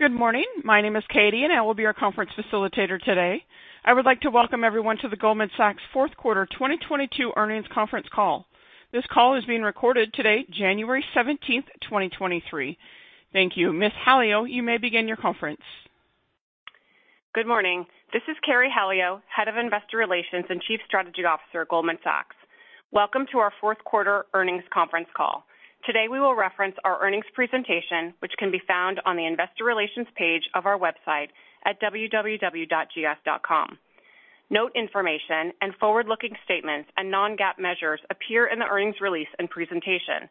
Good morning. My name is Katie, I will be your conference facilitator today. I would like to welcome everyone to the Goldman Sachs fourth quarter 2022 earnings conference call. This call is being recorded today, January 17th, 2023. Thank you. Ms. Halio, you may begin your conference. Good morning. This is Carey Halio, Head of Investor Relations and Chief Strategy Officer at Goldman Sachs. Welcome to our fourth quarter earnings conference call. Today, we will reference our earnings presentation, which can be found on the investor relations page of our website at www.gs.com. Note information and forward-looking statements and non-GAAP measures appear in the earnings release and presentation.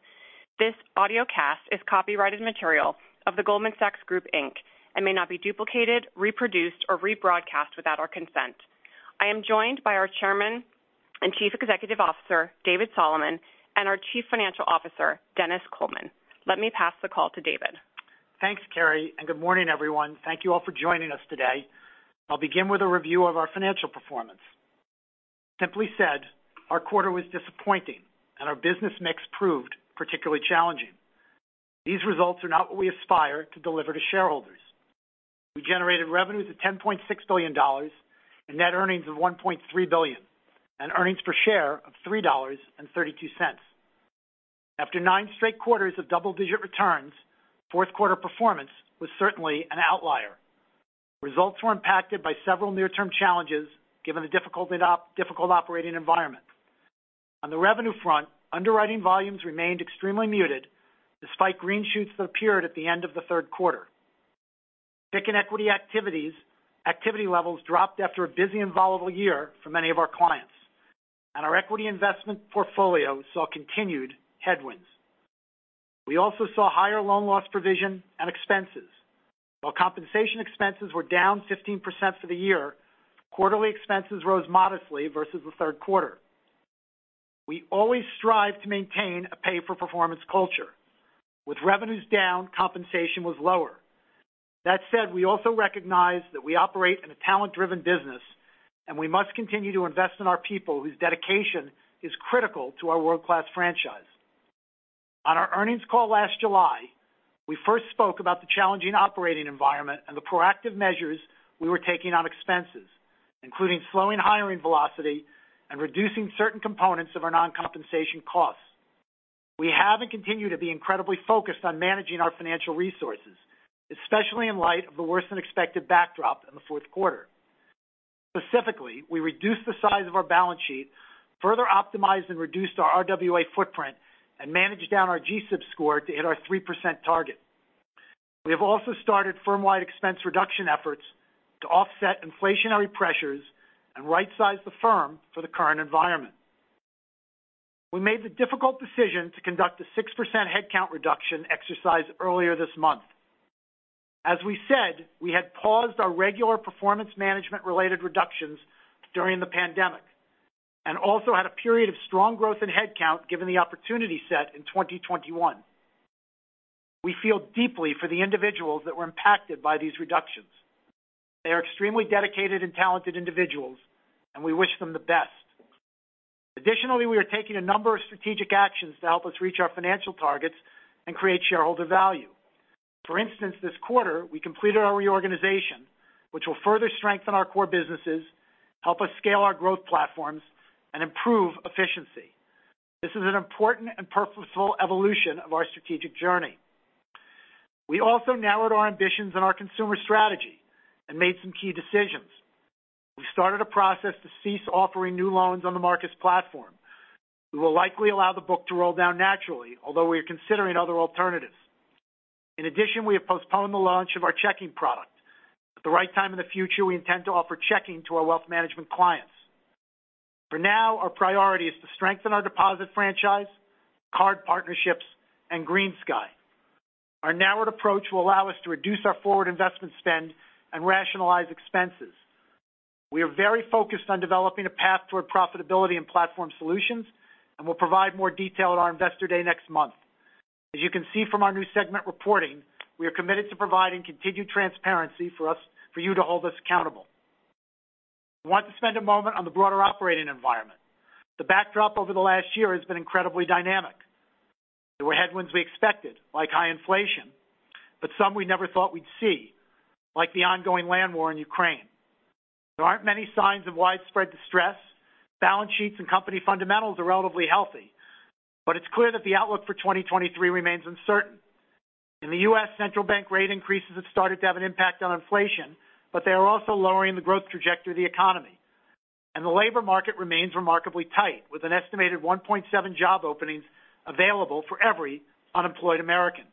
This audiocast is copyrighted material of The Goldman Sachs Group, Inc. May not be duplicated, reproduced, or rebroadcast without our consent. I am joined by our Chairman and Chief Executive Officer, David Solomon, and our Chief Financial Officer, Denis Coleman. Let me pass the call to David. Thanks, Carey, good morning, everyone. Thank you all for joining us today. I'll begin with a review of our financial performance. Simply said, our quarter was disappointing, our business mix proved particularly challenging. These results are not what we aspire to deliver to shareholders. We generated revenues of $10.6 billion and net earnings of $1.3 billion, and earnings per share of $3.32. After 9 straight quarters of double-digit returns, fourth-quarter performance was certainly an outlier. Results were impacted by several near-term challenges given the difficult operating environment. On the revenue front, underwriting volumes remained extremely muted despite green shoots that appeared at the end of the third quarter. FICC equity activity levels dropped after a busy and volatile year for many of our clients, our equity investment portfolio saw continued headwinds. We also saw higher loan loss provision and expenses. While compensation expenses were down 15% for the year, quarterly expenses rose modestly versus the third quarter. We always strive to maintain a pay-for-performance culture. With revenues down, compensation was lower. That said, we also recognize that we operate in a talent-driven business, and we must continue to invest in our people whose dedication is critical to our world-class franchise. On our earnings call last July, we first spoke about the challenging operating environment and the proactive measures we were taking on expenses, including slowing hiring velocity and reducing certain components of our non-compensation costs. We have and continue to be incredibly focused on managing our financial resources, especially in light of the worse-than-expected backdrop in the fourth quarter. Specifically, we reduced the size of our balance sheet, further optimized and reduced our RWA footprint, and managed down our GSIB score to hit our 3% target. We have also started firm-wide expense reduction efforts to offset inflationary pressures and right-size the firm for the current environment. We made the difficult decision to conduct a 6% headcount reduction exercise earlier this month. As we said, we had paused our regular performance management-related reductions during the pandemic and also had a period of strong growth in headcount given the opportunity set in 2021. We feel deeply for the individuals that were impacted by these reductions. They are extremely dedicated and talented individuals, and we wish them the best. Additionally, we are taking a number of strategic actions to help us reach our financial targets and create shareholder value. For instance, this quarter we completed our reorganization, which will further strengthen our core businesses, help us scale our growth platforms, and improve efficiency. This is an important and purposeful evolution of our strategic journey. We also narrowed our ambitions on our consumer strategy and made some key decisions. We started a process to cease offering new loans on the Marcus platform. We will likely allow the book to roll down naturally, although we are considering other alternatives. In addition, we have postponed the launch of our checking product. At the right time in the future, we intend to offer checking to our wealth management clients. For now, our priority is to strengthen our deposit franchise, card partnerships, and GreenSky. Our narrowed approach will allow us to reduce our forward investment spend and rationalize expenses. We are very focused on developing a path toward profitability and platform solutions, and we'll provide more detail at our Investor Day next month. As you can see from our new segment reporting, we are committed to providing continued transparency for you to hold us accountable. I want to spend a moment on the broader operating environment. The backdrop over the last year has been incredibly dynamic. There were headwinds we expected, like high inflation, but some we never thought we'd see, like the ongoing land war in Ukraine. There aren't many signs of widespread distress. Balance sheets and company fundamentals are relatively healthy, but it's clear that the outlook for 2023 remains uncertain. In the U.S., central bank rate increases have started to have an impact on inflation, but they are also lowering the growth trajectory of the economy. The labor market remains remarkably tight, with an estimated 1.7 job openings available for every unemployed American.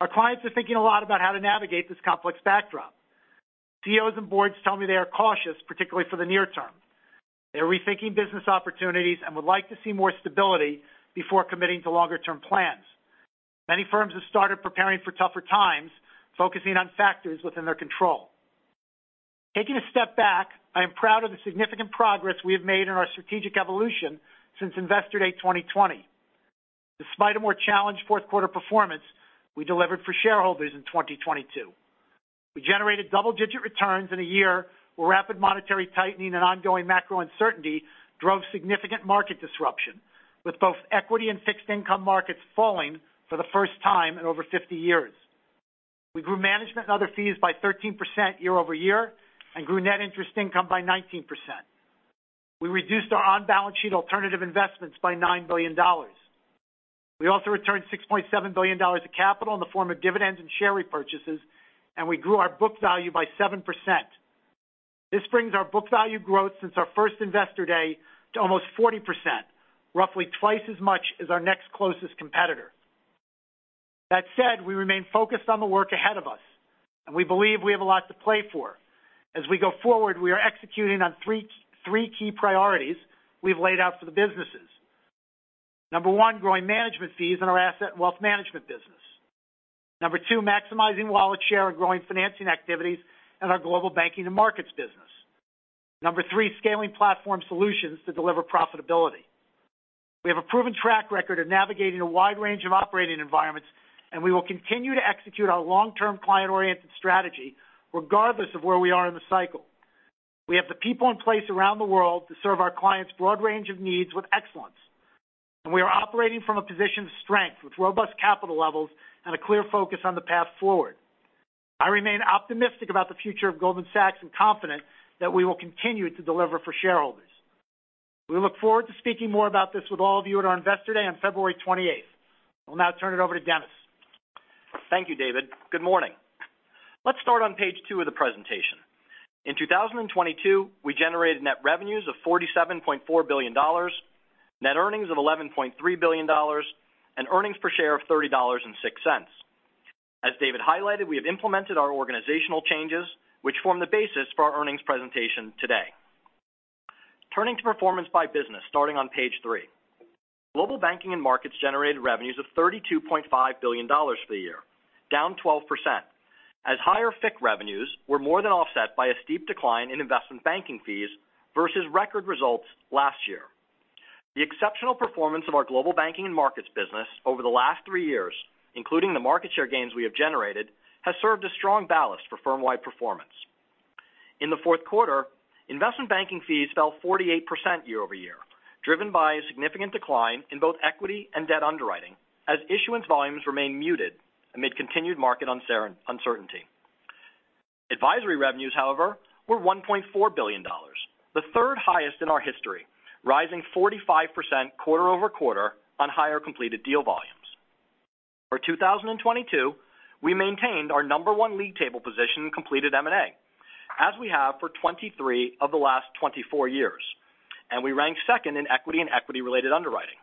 Our clients are thinking a lot about how to navigate this complex backdrop. CEOs and boards tell me they are cautious, particularly for the near term. They're rethinking business opportunities and would like to see more stability before committing to longer-term plans. Many firms have started preparing for tougher times, focusing on factors within their control. Taking a step back, I am proud of the significant progress we have made in our strategic evolution since Investor Day 2020. Despite a more challenged fourth quarter performance, we delivered for shareholders in 2022. We generated double-digit returns in a year where rapid monetary tightening and ongoing macro uncertainty drove significant market disruption, with both equity and fixed income markets falling for the first time in over 50 years. We grew management and other fees by 13% year-over-year and grew net interest income by 19%. We reduced our on-balance sheet alternative investments by $9 billion. We also returned $6.7 billion of capital in the form of dividends and share repurchases, and we grew our book value by 7%. This brings our book value growth since our first Investor Day to almost 40%, roughly twice as much as our next closest competitor. That said, we remain focused on the work ahead of us, and we believe we have a lot to play for. As we go forward, we are executing on three key priorities we've laid out for the businesses. Number one, growing management fees in our asset and wealth management business. Number two, maximizing wallet share and growing financing activities in our global banking and markets business. Number 3, scaling platform solutions to deliver profitability. We have a proven track record of navigating a wide range of operating environments, and we will continue to execute our long-term client-oriented strategy regardless of where we are in the cycle. We have the people in place around the world to serve our clients' broad range of needs with excellence, and we are operating from a position of strength with robust capital levels and a clear focus on the path forward. I remain optimistic about the future of Goldman Sachs and confident that we will continue to deliver for shareholders. We look forward to speaking more about this with all of you at our Investor Day on February 28th. I'll now turn it over to Denis. Thank you, David. Good morning. Let's start on page 2 of the presentation. In 2022, we generated net revenues of $47.4 billion, net earnings of $11.3 billion, and earnings per share of $30.06. As David highlighted, we have implemented our organizational changes, which form the basis for our earnings presentation today. Turning to performance by business, starting on page 3. Global banking and markets generated revenues of $32.5 billion for the year, down 12%, as higher FICC revenues were more than offset by a steep decline in investment banking fees versus record results last year. The exceptional performance of our global banking and markets business over the last 3 years, including the market share gains we have generated, has served as strong ballast for firm-wide performance. In the fourth quarter, investment banking fees fell 48% year-over-year, driven by a significant decline in both equity and debt underwriting as issuance volumes remain muted amid continued market uncertainty. Advisory revenues, however, were $1.4 billion, the third highest in our history, rising 45% quarter-over-quarter on higher completed deal volumes. For 2022, we maintained our number one lead table position in completed M&A, as we have for 23 of the last 24 years, and we ranked second in equity and equity-related underwriting.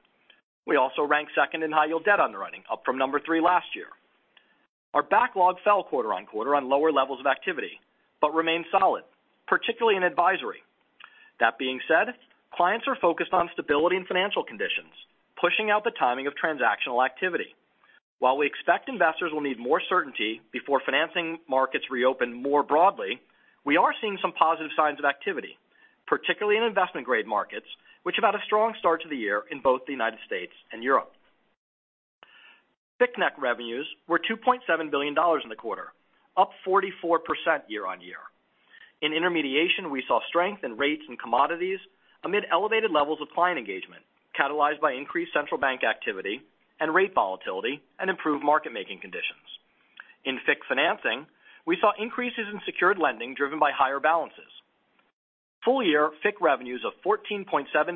We also ranked second in high-yield debt underwriting, up from number three last year. Our backlog fell quarter-on-quarter on lower levels of activity, but remained solid, particularly in advisory. That being said, clients are focused on stability and financial conditions, pushing out the timing of transactional activity. While we expect investors will need more certainty before financing markets reopen more broadly, we are seeing some positive signs of activity, particularly in investment-grade markets, which have had a strong start to the year in both the U.S. and Europe. FICC net revenues were $2.7 billion in the quarter, up 44% year-on-year. In intermediation, we saw strength in rates and commodities amid elevated levels of client engagement, catalyzed by increased central bank activity and rate volatility and improved market-making conditions. In FICC financing, we saw increases in secured lending driven by higher balances. Full-year FICC revenues of $14.7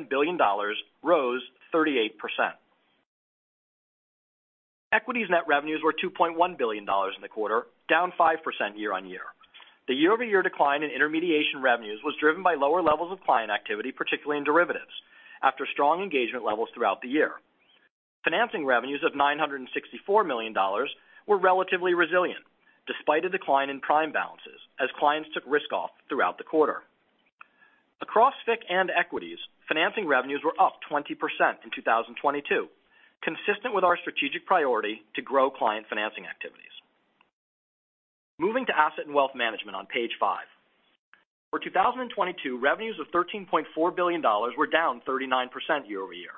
billion rose 38%. Equities net revenues were $2.1 billion in the quarter, down 5% year-on-year. The year-over-year decline in intermediation revenues was driven by lower levels of client activity, particularly in derivatives, after strong engagement levels throughout the year. Financing revenues of $964 million were relatively resilient despite a decline in prime balances as clients took risk off throughout the quarter. Across FICC and equities, financing revenues were up 20% in 2022, consistent with our strategic priority to grow client financing activities. Moving to asset and wealth management on page 5. For 2022, revenues of $13.4 billion were down 39% year-over-year,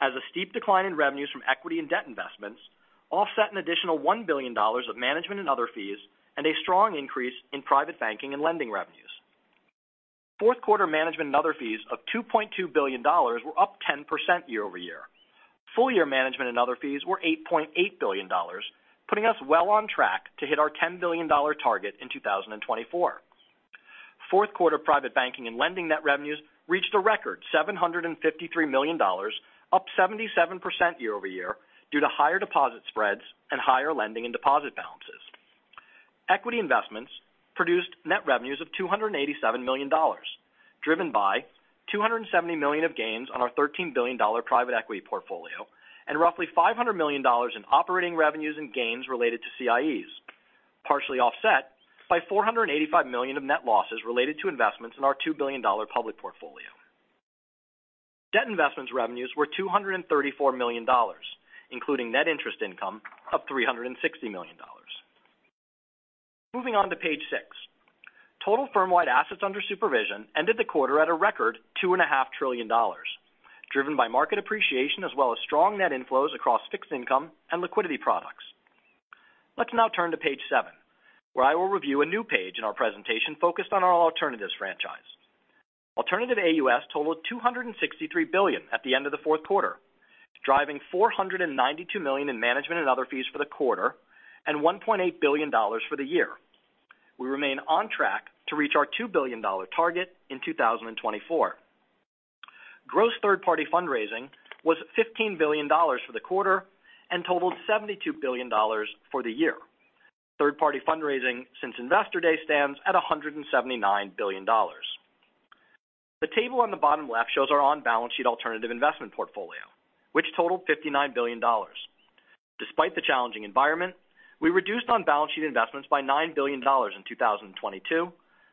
as a steep decline in revenues from equity and debt investments offset an additional $1 billion of management and other fees and a strong increase in private banking and lending revenues. Fourth quarter management and other fees of $2.2 billion were up 10% year-over-year. Full-year management and other fees were $8.8 billion, putting us well on track to hit our $10 billion target in 2024. Fourth quarter private banking and lending net revenues reached a record $753 million, up 77% year-over-year due to higher deposit spreads and higher lending and deposit balances. Equity investments produced net revenues of $287 million, driven by $270 million of gains on our $13 billion private equity portfolio and roughly $500 million in operating revenues and gains related to CIEs, partially offset by $485 million of net losses related to investments in our $2 billion public portfolio. Debt investments revenues were $234 million, including net interest income of $360 million. Moving on to page 6. Total firm-wide assets under supervision ended the quarter at a record $2.5 trillion, driven by market appreciation as well as strong net inflows across fixed income and liquidity products. Let's now turn to page 7, where I will review a new page in our presentation focused on our alternatives franchise. Alternative AUM totaled $263 billion at the end of the fourth quarter, driving $492 million in management and other fees for the quarter and $1.8 billion for the year. We remain on track to reach our $2 billion target in 2024. Gross third-party fundraising was $15 billion for the quarter and totaled $72 billion for the year. Third-party fundraising since Investor Day stands at $179 billion. The table on the bottom left shows our on-balance sheet alternative investment portfolio, which totaled $59 billion. Despite the challenging environment, we reduced on-balance sheet investments by $9 billion in 2022,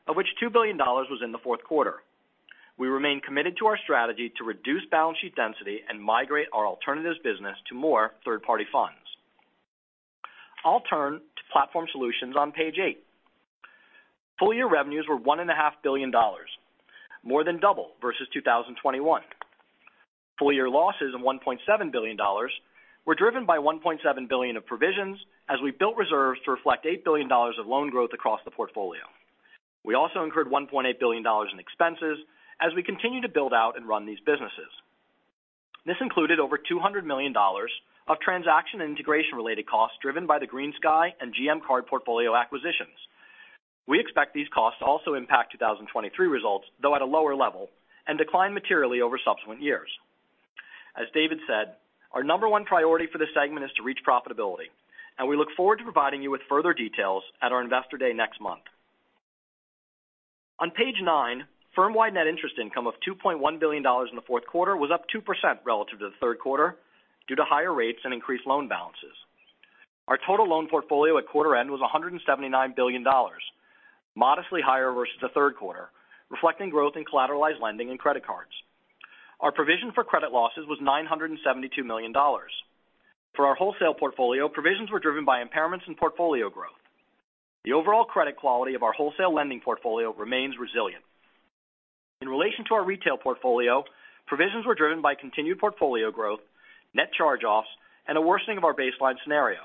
of which $2 billion was in the fourth quarter. We remain committed to our strategy to reduce balance sheet density and migrate our alternatives business to more third-party funds. I'll turn to platform solutions on page 8. Full-year revenues were one and a half billion dollars, more than double versus 2021. Full-year losses of $1.7 billion were driven by $1.7 billion of provisions as we built reserves to reflect $8 billion of loan growth across the portfolio. We also incurred $1.8 billion in expenses as we continue to build out and run these businesses. This included over $200 million of transaction and integration-related costs driven by the GreenSky and GM Card portfolio acquisitions. We expect these costs to also impact 2023 results, though at a lower level, and decline materially over subsequent years. As David said, our number one priority for this segment is to reach profitability, and we look forward to providing you with further details at our Investor Day next month. On page nine, firm-wide net interest income of $2.1 billion in the fourth quarter was up 2% relative to the third quarter due to higher rates and increased loan balances. Our total loan portfolio at quarter end was $179 billion, modestly higher versus the third quarter, reflecting growth in collateralized lending and credit cards. Our provision for credit losses was $972 million. For our wholesale portfolio, provisions were driven by impairments and portfolio growth. The overall credit quality of our wholesale lending portfolio remains resilient. In relation to our retail portfolio, provisions were driven by continued portfolio growth, net charge-offs, and a worsening of our baseline scenario.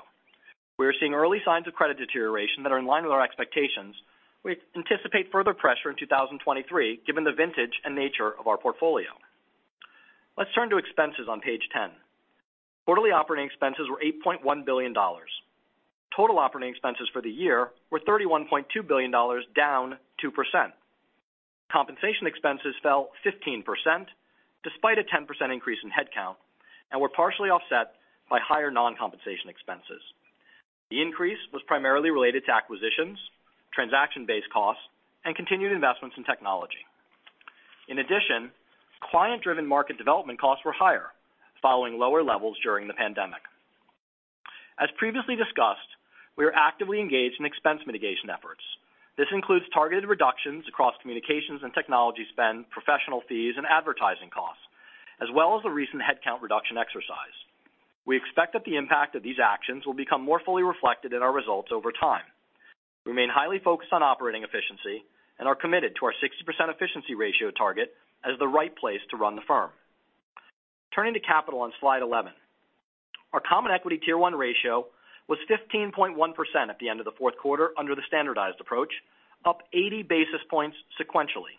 We are seeing early signs of credit deterioration that are in line with our expectations. We anticipate further pressure in 2023, given the vintage and nature of our portfolio. Let's turn to expenses on page 10. Quarterly operating expenses were $8.1 billion. Total operating expenses for the year were $31.2 billion, down 2%. Compensation expenses fell 15% despite a 10% increase in headcount and were partially offset by higher non-compensation expenses. The increase was primarily related to acquisitions, transaction-based costs, and continued investments in technology. In addition, client-driven market development costs were higher following lower levels during the pandemic. As previously discussed, we are actively engaged in expense mitigation efforts. This includes targeted reductions across communications and technology spend, professional fees, and advertising costs, as well as the recent headcount reduction exercise. We expect that the impact of these actions will become more fully reflected in our results over time. We remain highly focused on operating efficiency and are committed to our 60% efficiency ratio target as the right place to run the firm. Turning to capital on slide 11. Our common equity tier one ratio was 15.1% at the end of the fourth quarter under the standardized approach, up 80 basis points sequentially.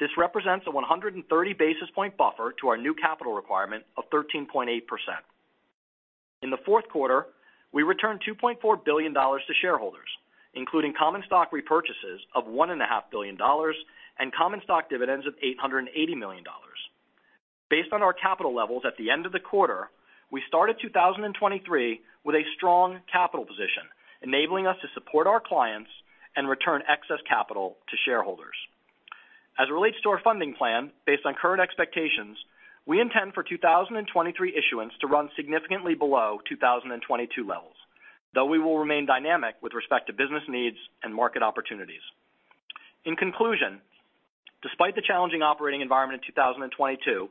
This represents a 130 basis point buffer to our new capital requirement of 13.8%. In the fourth quarter, we returned $2.4 billion to shareholders, including common stock repurchases of one and a half billion dollars and common stock dividends of $880 million. Based on our capital levels at the end of the quarter, we started 2023 with a strong capital position, enabling us to support our clients and return excess capital to shareholders. As it relates to our funding plan, based on current expectations, we intend for 2023 issuance to run significantly below 2022 levels, though we will remain dynamic with respect to business needs and market opportunities. In conclusion, despite the challenging operating environment in 2022,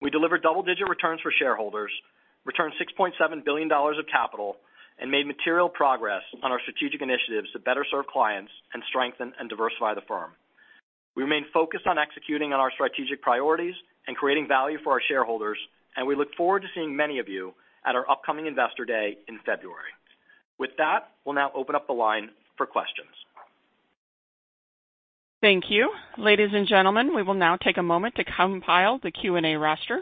we delivered double-digit returns for shareholders, returned $6.7 billion of capital, and made material progress on our strategic initiatives to better serve clients and strengthen and diversify the firm. We remain focused on executing on our strategic priorities and creating value for our shareholders, and we look forward to seeing many of you at our upcoming Investor Day in February. With that, we'll now open up the line for questions. Thank you. Ladies and gentlemen, we will now take a moment to compile the Q&A roster.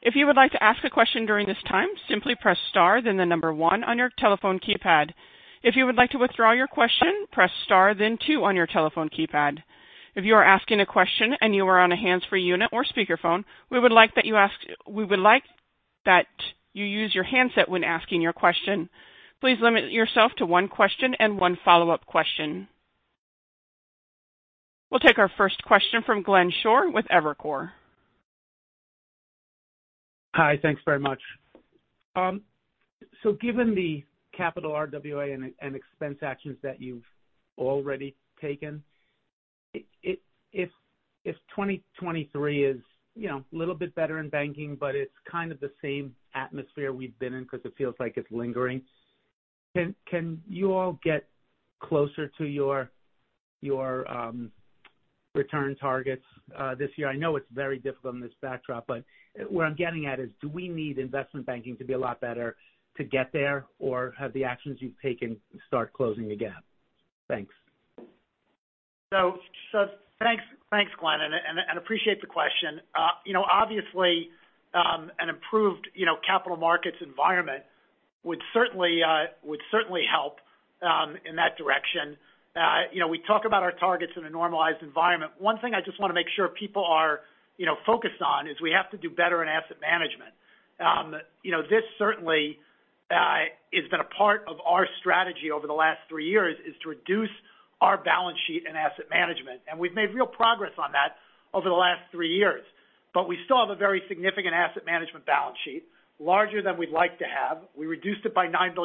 If you would like to ask a question during this time, simply press star then the number one on your telephone keypad. If you would like to withdraw your question, press star then two on your telephone keypad. If you are asking a question and you are on a hands-free unit or speakerphone, we would like that you use your handset when asking your question. Please limit yourself to one question and one follow-up question. We'll take our first question from Glenn Schorr with Evercore. Hi. Thanks very much. Given the capital RWA and expense actions that you've already taken If 2023 is a little bit better in banking, it's kind of the same atmosphere we've been in because it feels like it's lingering. Can you all get closer to your return targets this year? I know it's very difficult in this backdrop, but what I'm getting at is do we need investment banking to be a lot better to get there, or have the actions you've taken start closing the gap? Thanks. Thanks Glenn, appreciate the question. You know, obviously, an improved capital markets environment would certainly help in that direction. You know, we talk about our targets in a normalized environment. One thing I just want to make sure people are focused on is we have to do better in asset management. You know, this certainly has been a part of our strategy over the last three years is to reduce our balance sheet in asset management. We've made real progress on that over the last three years. We still have a very significant asset management balance sheet, larger than we'd like to have. We reduced it by $9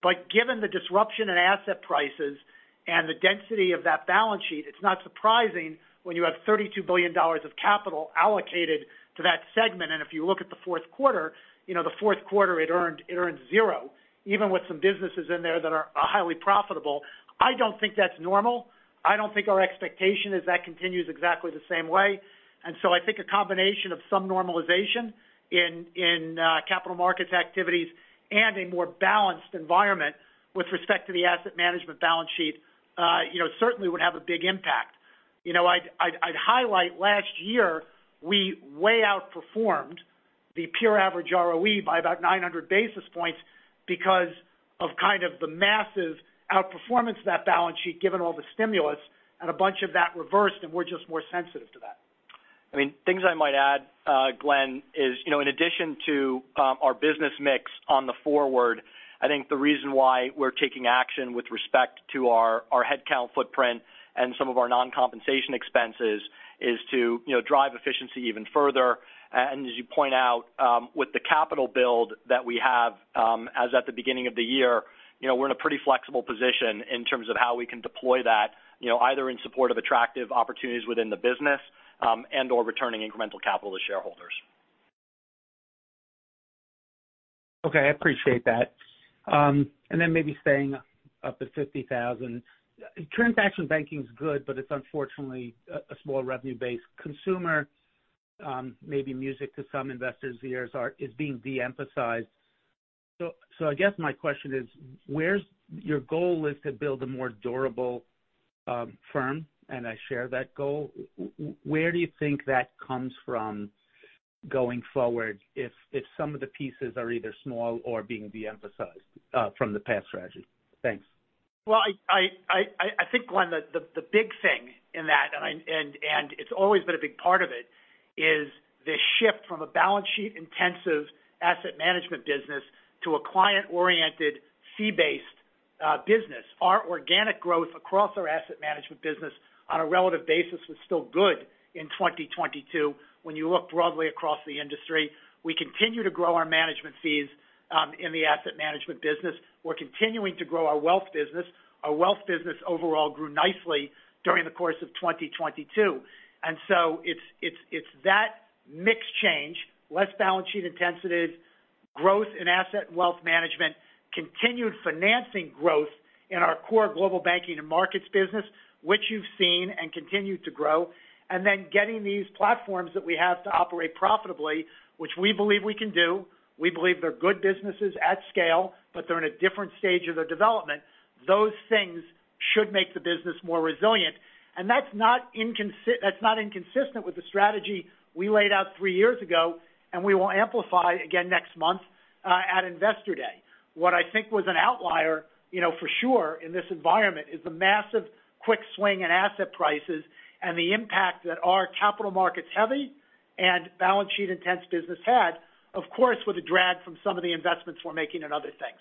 billion this past year, and we intend to move forward. Given the disruption in asset prices and the density of that balance sheet, it's not surprising when you have $32 billion of capital allocated to that segment. If you look at the fourth quarter the fourth quarter it earned 0, even with some businesses in there that are highly profitable. I don't think that's normal. I don't think our expectation is that continues exactly the same way. I think a combination of some normalization in capital markets activities and a more balanced environment with respect to the asset management balance sheet certainly would have a big impact. You know, I'd highlight last year, we way outperformed the pure average ROE by about 900 basis points because of kind of the massive outperformance of that balance sheet given all the stimulus, and a bunch of that reversed, and we're just more sensitive to that. I mean, things I might add, Glenn, is in addition to our business mix on the forward, I think the reason why we're taking action with respect to our headcount footprint and some of our non-compensation expenses is to drive efficiency even further. As you point out, with the capital build that we have, as at the beginning of the year we're in a pretty flexible position in terms of how we can deploy that either in support of attractive opportunities within the business, and/or returning incremental capital to shareholders. Okay. I appreciate that. Maybe staying up to 50,000. Transaction banking is good, but it's unfortunately a small revenue base. Consumer, may be music to some investors' ears is being de-emphasized. I guess my question is, Your goal is to build a more durable firm, and I share that goal. Where do you think that comes from going forward if some of the pieces are either small or being de-emphasized from the past strategy? Thanks. Well, I think, Glenn, the big thing in that, and it's always been a big part of it, is the shift from a balance sheet-intensive asset management business to a client-oriented fee-based business. Our organic growth across our asset management business on a relative basis was still good in 2022 when you look broadly across the industry. We continue to grow our management fees in the asset management business. We're continuing to grow our wealth business. Our wealth business overall grew nicely during the course of 2022. It's, it's that mix change, less balance sheet intensity, growth in asset and wealth management, continued financing growth in our core Global Banking and Markets business, which you've seen and continue to grow. Then getting these platforms that we have to operate profitably, which we believe we can do. We believe they're good businesses at scale, but they're in a different stage of their development. Those things should make the business more resilient. That's not inconsistent with the strategy we laid out three years ago, and we will amplify again next month, at Investor Day. What I think was an outlier for sure in this environment is the massive quick swing in asset prices and the impact that our capital markets heavy and balance sheet intense business had. Of course, with a drag from some of the investments we're making in other things.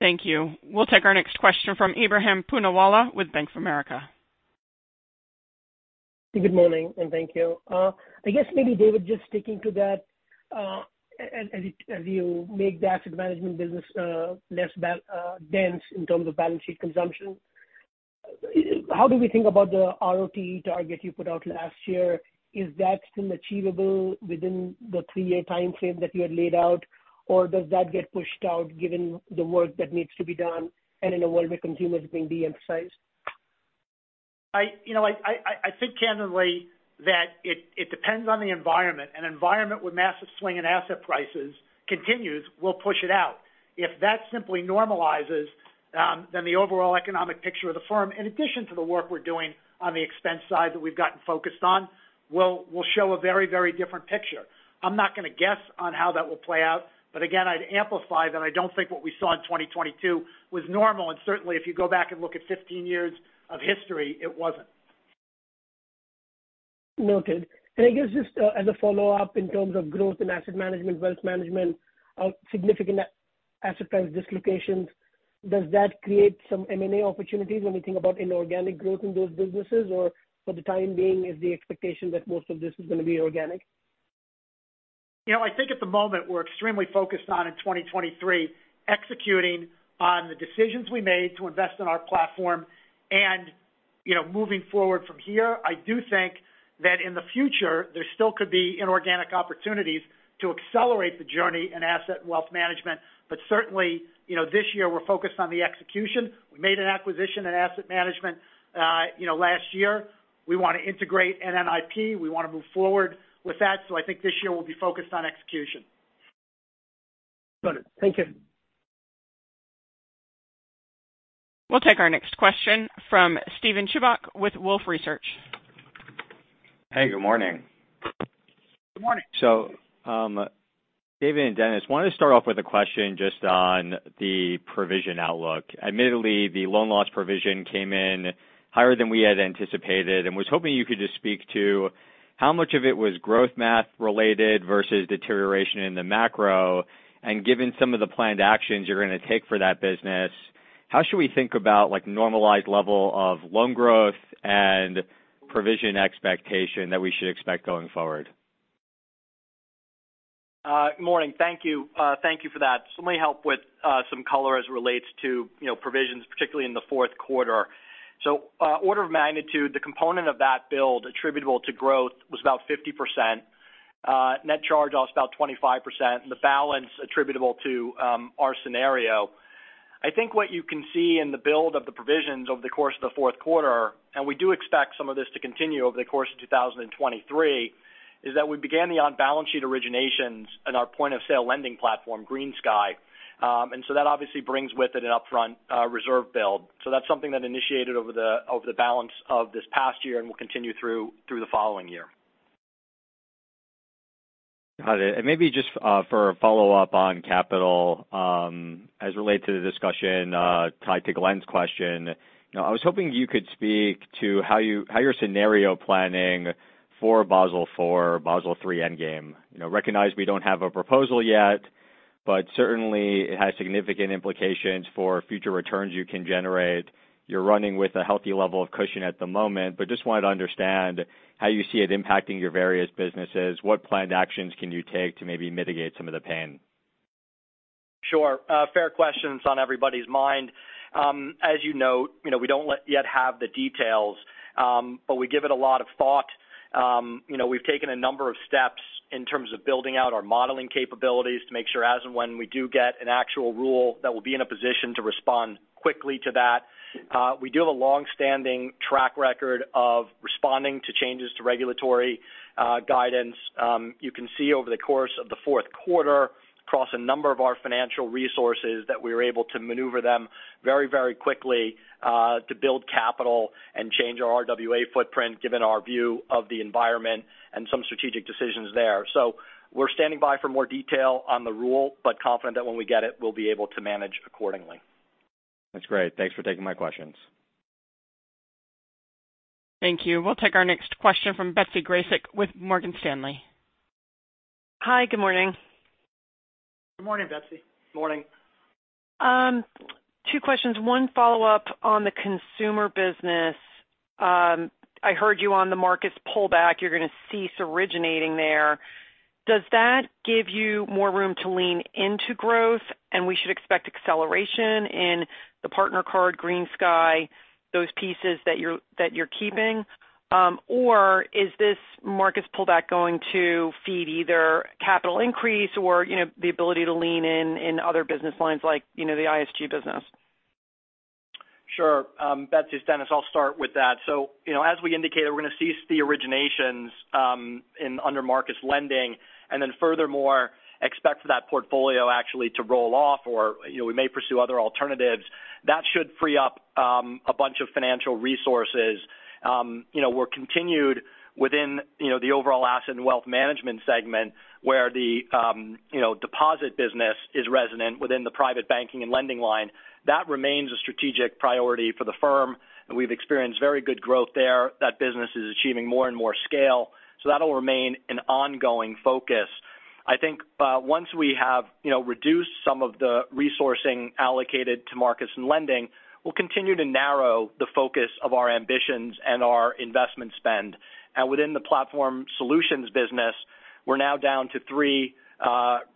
Thank you. We'll take our next question from Ebrahim Poonawala with Bank of America. Good morning, and thank you. I guess maybe, David, just sticking to that, as you make the asset management business less dense in terms of balance sheet consumption. How do we think about the ROTE target you put out last year? Is that still achievable within the 3-year timeframe that you had laid out? Does that get pushed out given the work that needs to be done and in a world where consumer is being de-emphasized? You know, I think candidly that it depends on the environment. An environment where massive swing in asset prices continues will push it out. If that simply normalizes, then the overall economic picture of the firm, in addition to the work we're doing on the expense side that we've gotten focused on, will show a very, very different picture. I'm not going to guess on how that will play out, but again, I'd amplify that I don't think what we saw in 2022 was normal. Certainly if you go back and look at 15 years of history, it wasn't. Noted. I guess just, as a follow-up in terms of growth in asset management, wealth management, significant asset price dislocations? Does that create some M&A opportunities when we think about inorganic growth in those businesses? Or for the time being, is the expectation that most of this is gonna be organic? You know, I think at the moment we're extremely focused on in 2023 executing on the decisions we made to invest in our platform. You know, moving forward from here, I do think that in the future there still could be inorganic opportunities to accelerate the journey in asset and wealth management. Certainly this year we're focused on the execution. We made an acquisition in asset management last year. We wanna integrate NNIP. We wanna move forward with that. I think this year we'll be focused on execution. Got it. Thank you. We'll take our next question from Steven Chubak with Wolfe Research. Hey, good morning. Good morning. David and Dennis, wanted to start off with a question just on the provision outlook. Admittedly, the loan loss provision came in higher than we had anticipated and was hoping you could just speak to how much of it was Growth Math related versus deterioration in the macro. Given some of the planned actions you're gonna take for that business, how should we think about like normalized level of loan growth and provision expectation that we should expect going forward? Good morning. Thank you. Thank you for that. Let me help with some color as it relates to provisions, particularly in the fourth quarter. Order of magnitude, the component of that build attributable to growth was about 50%. Net charge off about 25%, and the balance attributable to our scenario. I think what you can see in the build of the provisions over the course of the fourth quarter, and we do expect some of this to continue over the course of 2023, is that we began the on-balance sheet originations in our point of sale lending platform, GreenSky. And so that obviously brings with it an upfront reserve build. That's something that initiated over the balance of this past year and will continue through the following year. Got it. Maybe just for a follow-up on capital, as it relate to the discussion, tied to Glenn's question. You know, I was hoping you could speak to how you're scenario planning for Basel IV, Basel III endgame. You know, recognize we don't have a proposal yet, but certainly it has significant implications for future returns you can generate. You're running with a healthy level of cushion at the moment, but just wanted to understand how you see it impacting your various businesses. What planned actions can you take to maybe mitigate some of the pain? Sure. Fair questions on everybody's mind. As you note we don't yet have the details, but we give it a lot of thought. You know, we've taken a number of steps in terms of building out our modeling capabilities to make sure as and when we do get an actual rule, that we'll be in a position to respond quickly to that. We do have a long-standing track record of responding to changes to regulatory guidance. You can see over the course of the fourth quarter across a number of our financial resources that we were able to maneuver them very, very quickly, to build capital and change our RWA footprint given our view of the environment and some strategic decisions there. We're standing by for more detail on the rule, but confident that when we get it, we'll be able to manage accordingly. That's great. Thanks for taking my questions. Thank you. We'll take our next question from Betsy Graseck with Morgan Stanley. Hi. Good morning. Good morning, Betsy. Morning. Two questions. One follow-up on the consumer business. I heard you on the Marcus pullback, you're gonna cease originating there. Does that give you more room to lean into growth and we should expect acceleration in the partner card, GreenSky, those pieces that you're keeping? Is this Marcus pullback going to feed either capital increase or the ability to lean in other business lines like the ISG business? Sure. Betsy, it's Dennis. I'll start with that. you know, as we indicated, we're gonna cease the originations, in under Marcus lending. Furthermore expect that portfolio actually to roll off or we may pursue other alternatives. That should free up a bunch of financial resources. you know, we're continued within the overall Asset and Wealth Management segment where the deposit business is resonant within the Private Banking and Lending line. That remains a strategic priority for the firm, and we've experienced very good growth there. That business is achieving more and more scale, so that'll remain an ongoing focus. I think, once we have reduced some of the resourcing allocated to Marcus and lending, we'll continue to narrow the focus of our ambitions and our investment spend. Within the platform solutions business, we're now down to three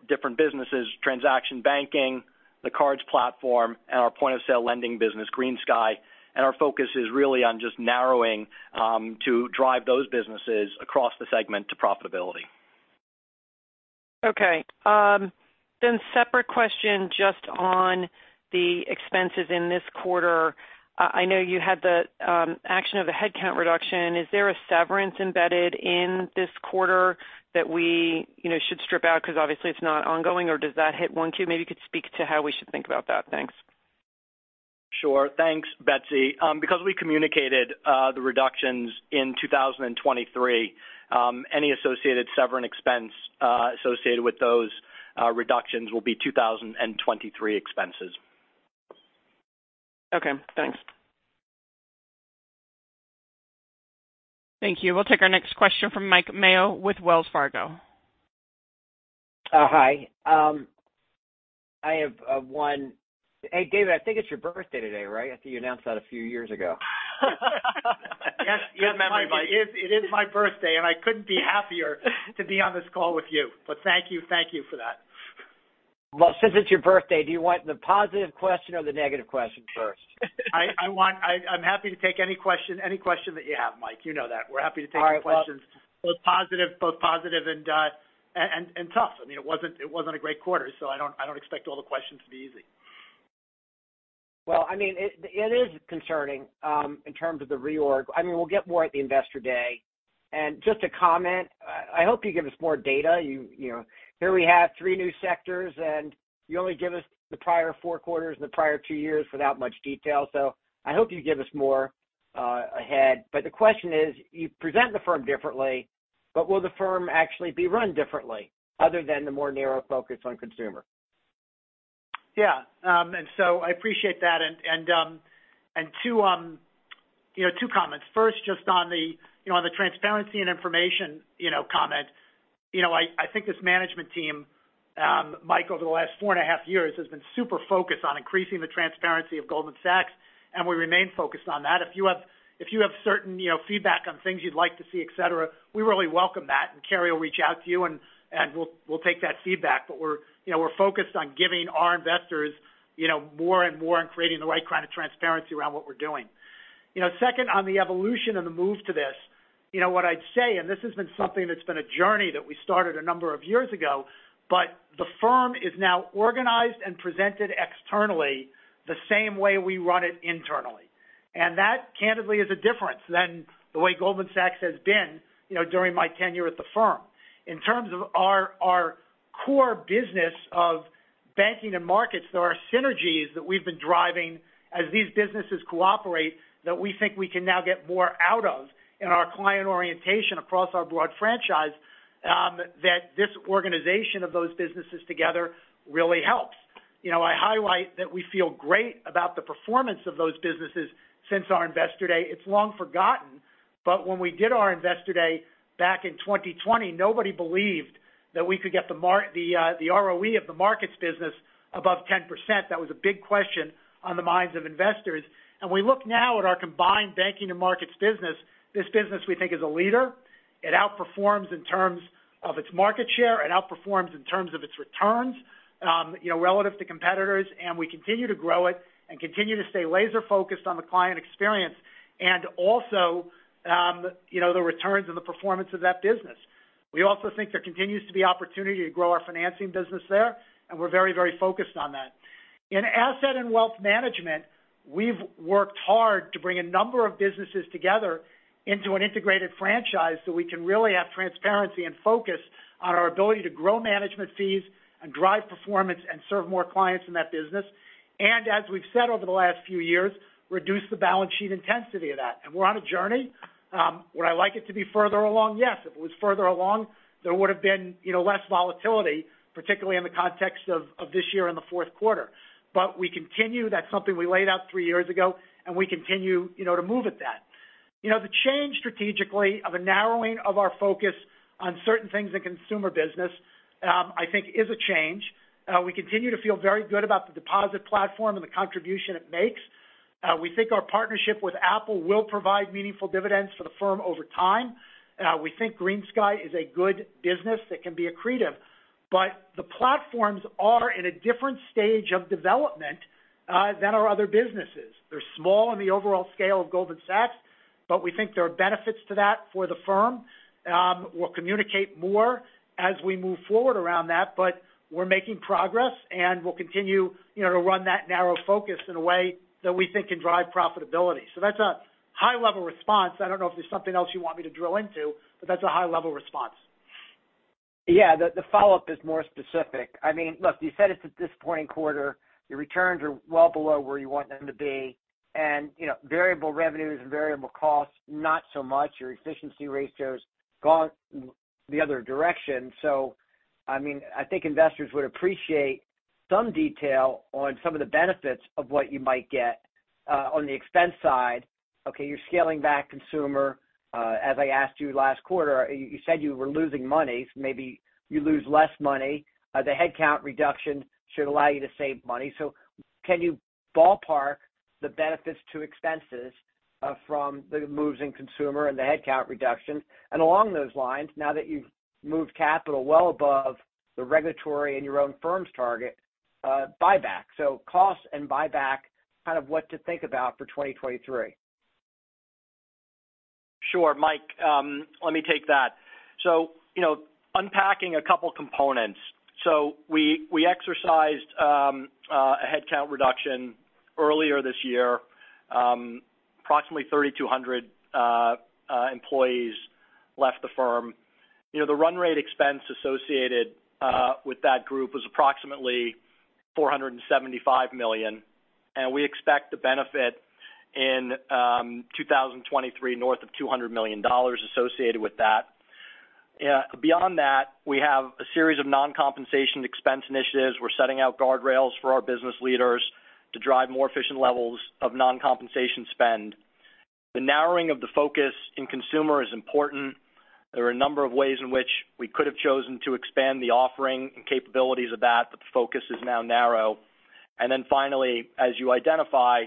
different businesses: transaction banking, the cards platform, and our point of sale lending business, GreenSky. Our focus is really on just narrowing to drive those businesses across the segment to profitability. Okay. Separate question just on the expenses in this quarter. I know you had the action of a headcount reduction. Is there a severance embedded in this quarter that we should strip out because obviously it's not ongoing, or does that hit one Q? Maybe you could speak to how we should think about that. Thanks. Sure. Thanks, Betsy. Because we communicated the reductions in 2023, any associated severance expense associated with those reductions will be 2023 expenses. Okay. Thanks. Thank you. We'll take our next question from Mike Mayo with Wells Fargo. Hi. Hey, David, I think it's your birthday today, right? I think you announced that a few years ago. Yes, it is my birthday, and I couldn't be happier to be on this call with you. Thank you for that. Well, since it's your birthday, do you want the positive question or the negative question first? I'm happy to take any question that you have, Mike. You know that. We're happy to take any questions. All right. Both positive and tough. I mean, it wasn't a great quarter, so I don't expect all the questions to be easy. Well, I mean, it is concerning in terms of the reorg. I mean, we'll get more at the Investor Day. Just to comment, I hope you give us more data. You here we have 3 new sectors, and you only give us the prior 4 quarters and the prior 2 years without much detail. I hope you give us more ahead. The question is, you present the firm differently, but will the firm actually be run differently other than the more narrow focus on consumer? Yeah. I appreciate that. And two comments. First, just on the transparency and information comment. I think this management team, Mike, over the last 4 and a half years has been super focused on increasing the transparency of Goldman Sachs, and we remain focused on that. If you have certain feedback on things you'd like to see, et cetera, we really welcome that, and Carey will reach out to you, and we'll take that feedback. But we're focused on giving our investors more and more and creating the right kind of transparency around what we're doing. You know, second, on the evolution and the move to this, you know what I'd say, and this has been something that's been a journey that we started a number of years ago, but the firm is now organized and presented externally the same way we run it internally. That, candidly, is a difference than the way Goldman Sachs has been during my tenure at the firm. In terms of our core business of banking and markets, there are synergies that we've been driving as these businesses cooperate that we think we can now get more out of in our client orientation across our broad franchise, that this organization of those businesses together really helps. You know, I highlight that we feel great about the performance of those businesses since our Investor Day. It's long forgotten, but when we did our Investor Day back in 2020, nobody believed that we could get the ROE of the markets business above 10%. That was a big question on the minds of investors. We look now at our combined banking and markets business. This business, we think, is a leader. It outperforms in terms of its market share. It outperforms in terms of its returns relative to competitors, and we continue to grow it and continue to stay laser-focused on the client experience and also the returns and the performance of that business. We also think there continues to be opportunity to grow our financing business there, and we're very, very focused on that. In asset and wealth management, we've worked hard to bring a number of businesses together into an integrated franchise so we can really have transparency and focus on our ability to grow management fees and drive performance and serve more clients in that business. As we've said over the last few years, reduce the balance sheet intensity of that. We're on a journey. Would I like it to be further along? Yes. If it was further along, there would have been less volatility, particularly in the context of this year and the fourth quarter. We continue. That's something we laid out 3 years ago, and we continue to move at that. You know, the change strategically of a narrowing of our focus on certain things in consumer business, I think is a change. We continue to feel very good about the deposit platform and the contribution it makes. We think our partnership with Apple will provide meaningful dividends for the firm over time. We think GreenSky is a good business that can be accretive. The platforms are in a different stage of development than our other businesses. They're small on the overall scale of Goldman Sachs, but we think there are benefits to that for the firm. We'll communicate more as we move forward around that, but we're making progress, and we'll continue to run that narrow focus in a way that we think can drive profitability. That's a high-level response. I don't know if there's something else you want me to drill into, but that's a high-level response. Yeah. The follow-up is more specific. I mean, look, you said it's a disappointing quarter. Your returns are well below where you want them to be. You know, variable revenues and variable costs, not so much. Your efficiency ratio's gone the other direction. I mean, I think investors would appreciate some detail on some of the benefits of what you might get on the expense side. Okay, you're scaling back consumer. As I asked you last quarter, you said you were losing money, so maybe you lose less money. The headcount reduction should allow you to save money. Can you ballpark the benefits to expenses from the moves in consumer and the headcount reduction? Along those lines, now that you've moved capital well above the regulatory and your own firm's target, buyback. Cost and buyback, kind of what to think about for 2023. Sure. Mike, let me take that. You know, unpacking a couple components. We exercised a headcount reduction earlier this year. Approximately 3,200 employees left the firm. You know, the run rate expense associated with that group was approximately $475 million, and we expect the benefit in 2023 north of $200 million associated with that. Yeah, beyond that, we have a series of non-compensation expense initiatives. We're setting out guardrails for our business leaders to drive more efficient levels of non-compensation spend. The narrowing of the focus in consumer is important. There are a number of ways in which we could have chosen to expand the offering and capabilities of that, but the focus is now narrow. Finally, as you identify,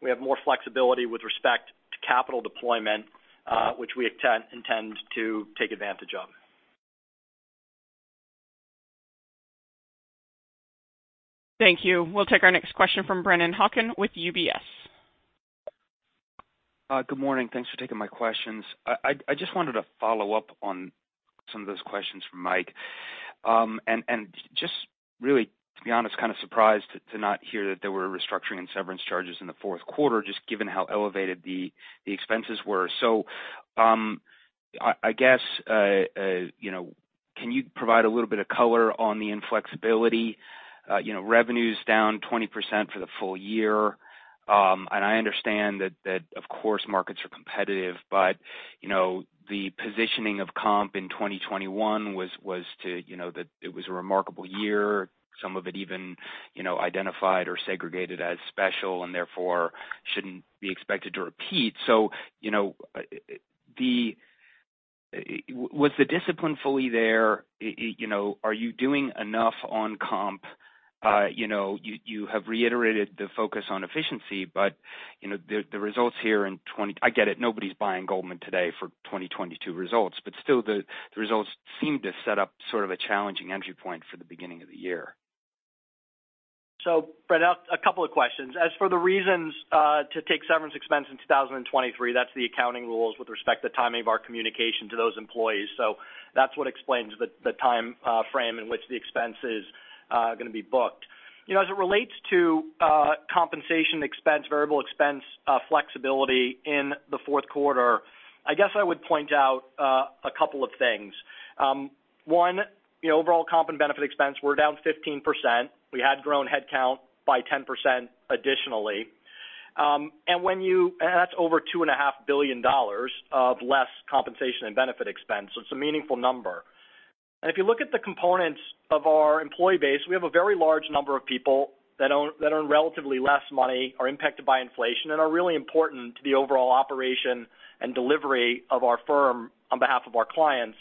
we have more flexibility with respect to capital deployment, which we intend to take advantage of. Thank you. We'll take our next question from Brennan Hawken with UBS. Good morning. Thanks for taking my questions. I just wanted to follow up on some of those questions from Mike. Just really, to be honest, kind of surprised to not hear that there were restructuring and severance charges in the fourth quarter, just given how elevated the expenses were. I guess can you provide a little bit of color on the inflexibility? You know, revenue's down 20% for the full year. I understand that of course, markets are competitive, but the positioning of comp in 2021 was to that it was a remarkable year. Some of it even identified or segregated as special and therefore shouldn't be expected to repeat. You know, Was the discipline fully there? You know, are you doing enough on comp? You know, you have reiterated the focus on efficiency the results here in 20... I get it. Nobody's buying Goldman today for 2022 results, still, the results seem to set up sort of a challenging entry point for the beginning of the year. Brennan, a couple of questions. As for the reasons to take severance expense in 2023, that's the accounting rules with respect to the timing of our communication to those employees. That's what explains the time frame in which the expense is gonna be booked. You know, as it relates to compensation expense, variable expense, flexibility in the fourth quarter, I guess I would point out a couple of things. One, the overall comp and benefit expense were down 15%. We had grown headcount by 10% additionally. And that's over $2.5 billion of less compensation and benefit expense. It's a meaningful number. If you look at the components of our employee base, we have a very large number of people that own relatively less money, are impacted by inflation, and are really important to the overall operation and delivery of our firm on behalf of our clients.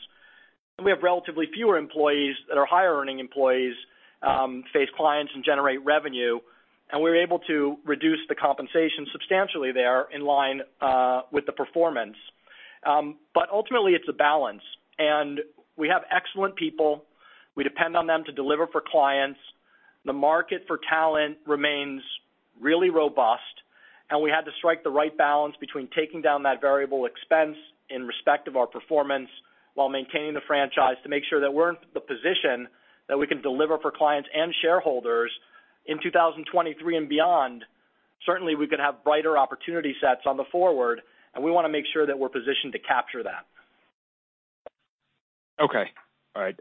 We have relatively fewer employees that are higher earning employees, face clients, and generate revenue, and we're able to reduce the compensation substantially there in line with the performance. Ultimately, it's a balance. We have excellent people. We depend on them to deliver for clients. The market for talent remains really robust, and we had to strike the right balance between taking down that variable expense in respect of our performance while maintaining the franchise to make sure that we're in the position that we can deliver for clients and shareholders in 2023 and beyond. Certainly, we could have brighter opportunity sets on the forward, and we wanna make sure that we're positioned to capture that. Okay. All right.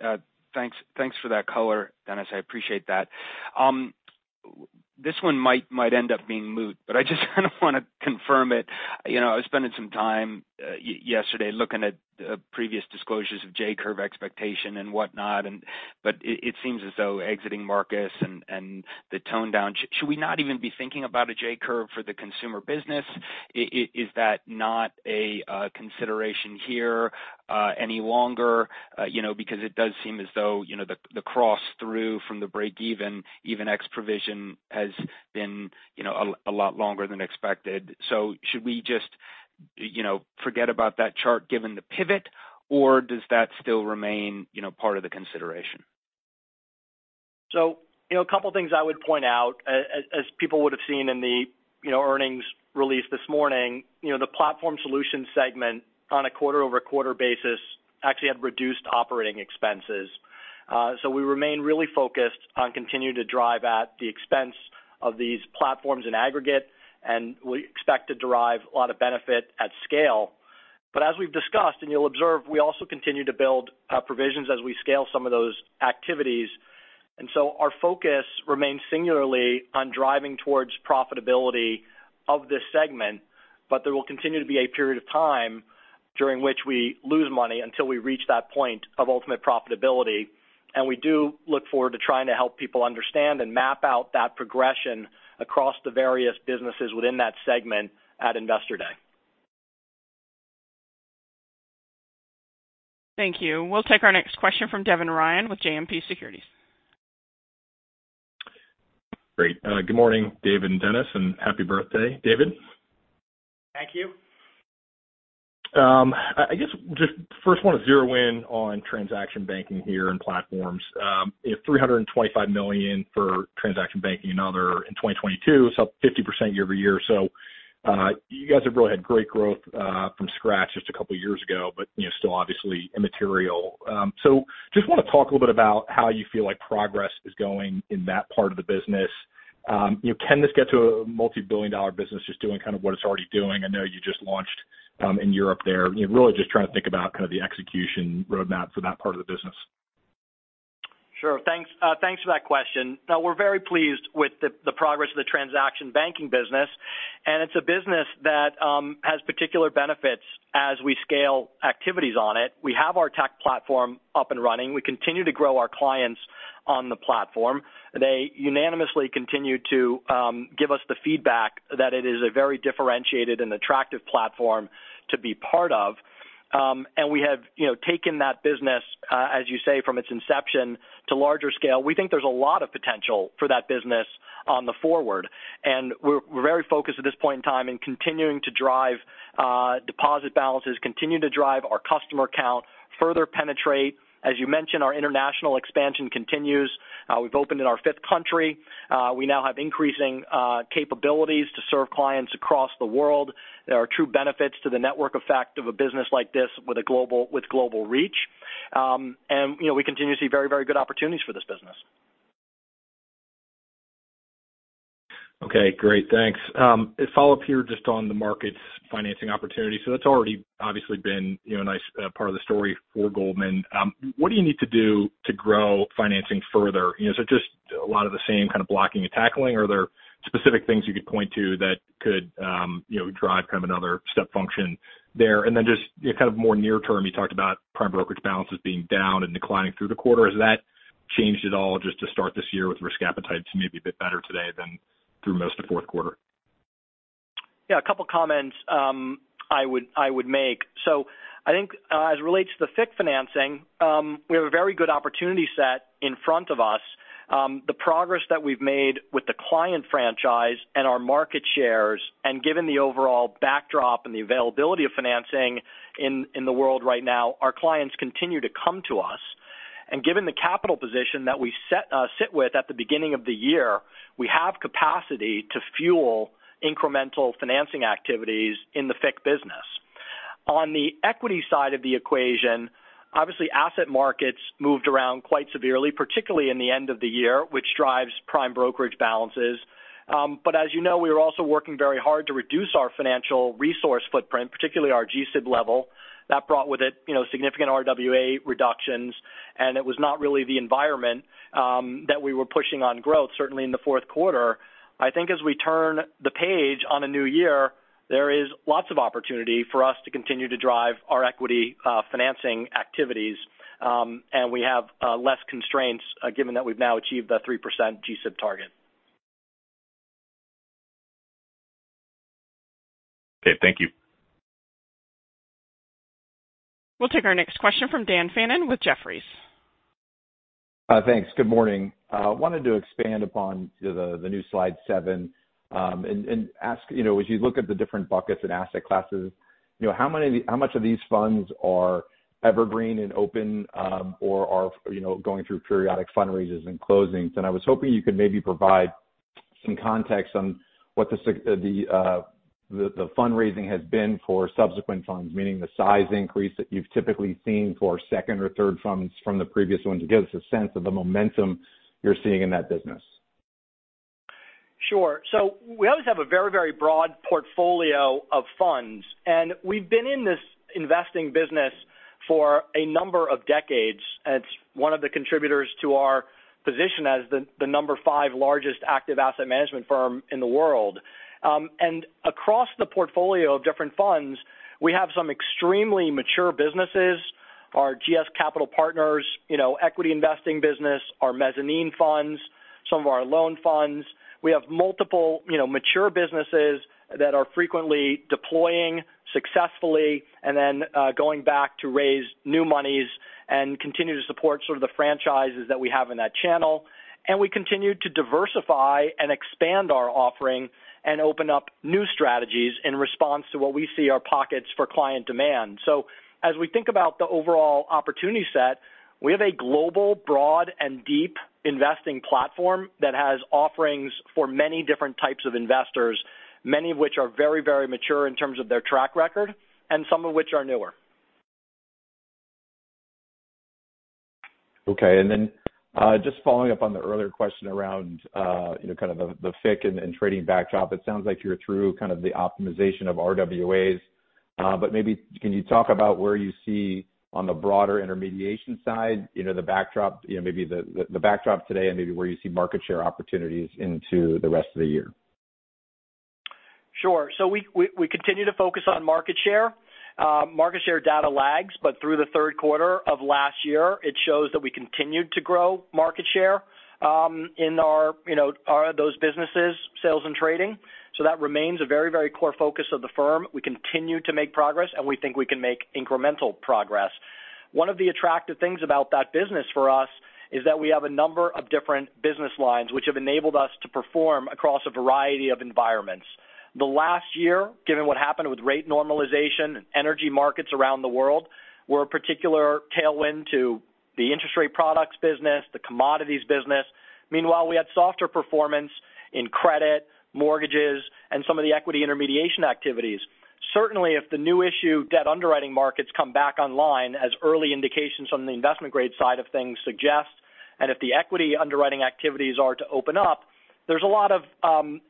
Thanks for that color, Dennis. I appreciate that. This one might end up being moot, but I just kind of want to confirm it. You know, I was spending some time yesterday looking at previous disclosures of J-curve expectation and whatnot, but it seems as though exiting Marcus and the tone down, should we not even be thinking about a J-curve for the consumer business? Is that not a consideration here any longer? You know, it does seem as though the cross-through from the break even X provision has been a lot longer than expected. Should we just forget about that chart given the pivot, or does that still remain part of the consideration? You know, a couple of things I would point out. As people would have seen in the earnings release this morning the Platform Solution segment on a quarter-over-quarter basis actually had reduced operating expenses. We remain really focused on continuing to drive at the expense of these platforms in aggregate, and we expect to derive a lot of benefit at scale. As we've discussed, and you'll observe, we also continue to build provisions as we scale some of those activities. Our focus remains singularly on driving towards profitability of this segment. There will continue to be a period of time during which we lose money until we reach that point of ultimate profitability. We do look forward to trying to help people understand and map out that progression across the various businesses within that segment at Investor Day. Thank you. We'll take our next question from Devin Ryan with JMP Securities. Great. Good morning, David and Denis, and happy birthday, David. Thank you. I guess just first wanna zero in on transaction banking here and platforms. You know, $325 million for transaction banking and other in 2022, it's up 50% year-over-year. You guys have really had great growth from scratch just a couple of years ago, but still obviously immaterial. Just wanna talk a little bit about how you feel like progress is going in that part of the business. You know, can this get to a multi-billion-dollar business just doing kind of what it's already doing? I know you just launched in Europe there. You know, really just trying to think about kind of the execution roadmap for that part of the business. Sure. Thanks, thanks for that question. We're very pleased with the progress of the transaction banking business, and it's a business that has particular benefits as we scale activities on it. We have our tech platform up and running. We continue to grow our clients on the platform. They unanimously continue to give us the feedback that it is a very differentiated and attractive platform to be part of. And we have taken that business, as you say, from its inception to larger scale. We think there's a lot of potential for that business on the forward. We're very focused at this point in time in continuing to drive deposit balances, continue to drive our customer count, further penetrate. As you mentioned, our international expansion continues. We've opened in our fifth country. We now have increasing capabilities to serve clients across the world. There are true benefits to the network effect of a business like this with a global, with global reach. You know, we continue to see very, very good opportunities for this business. Okay, great. Thanks. A follow-up here just on the markets financing opportunity. That's already obviously been a nice part of the story for Goldman. What do you need to do to grow financing further? You know, is it just a lot of the same kind of blocking and tackling, or are there specific things you could point to that could drive kind of another step function there? Just kind of more near term, you talked about prime brokerage balances being down and declining through the quarter. Has that changed at all just to start this year with risk appetite to maybe a bit better today than through most of fourth quarter? Yeah, a couple of comments I would make. I think, as it relates to the FICC financing, we have a very good opportunity set in front of us. The progress that we've made with the client franchise and our market shares, and given the overall backdrop and the availability of financing in the world right now, our clients continue to come to us. Given the capital position that we sit with at the beginning of the year, we have capacity to fuel incremental financing activities in the FICC business. On the equity side of the equation, obviously, asset markets moved around quite severely, particularly in the end of the year, which drives prime brokerage balances. As you know, we were also working very hard to reduce our financial resource footprint, particularly our GSIB level. That brought with it significant RWA reductions, and it was not really the environment, that we were pushing on growth, certainly in the fourth quarter. I think as we turn the page on a new year, there is lots of opportunity for us to continue to drive our equity financing activities, and we have less constraints given that we've now achieved the 3% GSIB target. Okay. Thank you. We'll take our next question from Dan Fannon with Jefferies. Thanks. Good morning. wanted to expand upon the new slide 7, and ask as you look at the different buckets and asset classes how much of these funds are evergreen and open, or are going through periodic fundraisers and closings? I was hoping you could maybe provide some context on what the fundraising has been for subsequent funds, meaning the size increase that you've typically seen for second or third funds from the previous ones. It gives us a sense of the momentum you're seeing in that business. Sure. We always have a very broad portfolio of funds, and we've been in this investing business for a number of decades. It's one of the contributors to our position as the number 5 largest active asset management firm in the world. And across the portfolio of different funds, we have some extremely mature businesses. Our GS Capital Partners equity investing business, our mezzanine funds, some of our loan funds. We have multiple mature businesses that are frequently deploying successfully and then going back to raise new monies and continue to support sort of the franchises that we have in that channel. We continue to diversify and expand our offering and open up new strategies in response to what we see are pockets for client demand. As we think about the overall opportunity set, we have a global, broad, and deep investing platform that has offerings for many different types of investors, many of which are very mature in terms of their track record, and some of which are newer. Okay. Then, just following up on the earlier question around kind of the FICC and trading backdrop. It sounds like you're through kind of the optimization of RWAs, but maybe can you talk about where you see on the broader intermediation side the backdrop maybe the backdrop today and maybe where you see market share opportunities into the rest of the year? Sure. We continue to focus on market share. Market share data lags, but through the third quarter of last year, it shows that we continued to grow market share, in our our, those businesses, sales and trading. That remains a very, very core focus of the firm. We continue to make progress, and we think we can make incremental progress. One of the attractive things about that business for us is that we have a number of different business lines which have enabled us to perform across a variety of environments. The last year, given what happened with rate normalization and energy markets around the world, were a particular tailwind to the interest rate products business, the commodities business. Meanwhile, we had softer performance in credit, mortgages, and some of the equity intermediation activities. Certainly, if the new issue debt underwriting markets come back online, as early indications from the investment grade side of things suggest, and if the equity underwriting activities are to open up There's a lot of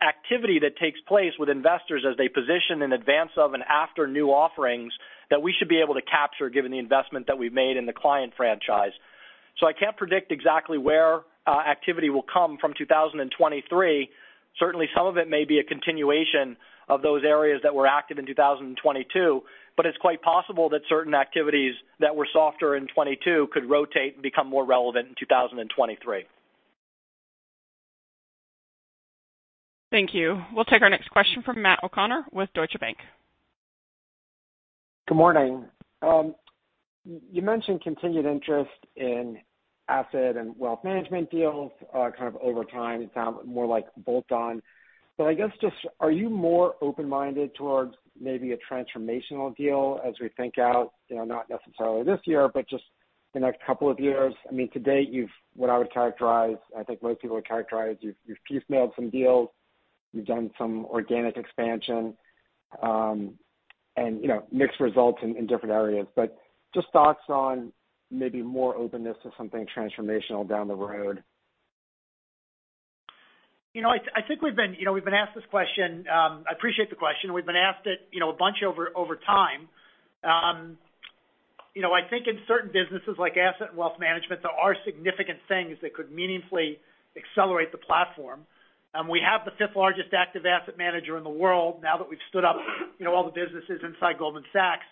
activity that takes place with investors as they position in advance of and after new offerings that we should be able to capture given the investment that we've made in the client franchise. I can't predict exactly where activity will come from 2023. Certainly, some of it may be a continuation of those areas that were active in 2022, it's quite possible that certain activities that were softer in 2022 could rotate and become more relevant in 2023. Thank you. We'll take our next question from Matt O'Connor with Deutsche Bank. Good morning. You mentioned continued interest in asset and wealth management deals, kind of over time. It sound more like bolt-on. I guess just are you more open-minded towards maybe a transformational deal as we think out not necessarily this year, but just the next couple of years? I mean, to date, you've what I would characterize, I think most people would characterize, you've piecemealed some deals, you've done some organic expansion, and mixed results in different areas. Just thoughts on maybe more openness to something transformational down the road. You know, I think we've been we've been asked this question, I appreciate the question. We've been asked it a bunch over time. You know, I think in certain businesses like asset and wealth management, there are significant things that could meaningfully accelerate the platform. We have the fifth-largest active asset manager in the world now that we've stood up all the businesses inside Goldman Sachs.